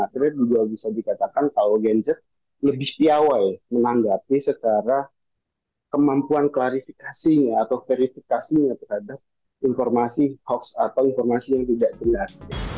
akhirnya juga bisa dikatakan kalau gen z lebih piawai menanggapi secara kemampuan klarifikasinya atau verifikasinya terhadap informasi hoax atau informasi yang tidak jelas